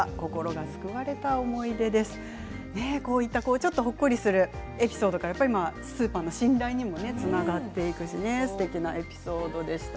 ちょっとほっこりするエピソードスーパーの信頼にもつながっていくし、すてきなエピソードでした。